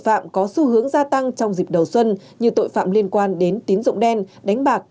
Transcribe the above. phạm có xu hướng gia tăng trong dịp đầu xuân như tội phạm liên quan đến tín dụng đen đánh bạc